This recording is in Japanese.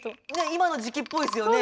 今の時期っぽいですよね。